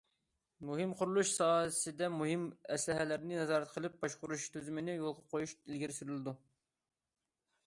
مۇھىم قۇرۇلۇش ساھەسىدە مۇھىم ئەسلىھەلەرنى نازارەت قىلىپ باشقۇرۇش تۈزۈمىنى يولغا قويۇش ئىلگىرى سۈرۈلىدۇ.